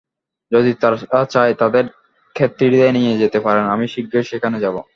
যদি তারা চায়, তাদের খেতড়িতে নিয়ে যেতে পারেন, আমি শিঘ্রই সেখানে যাব।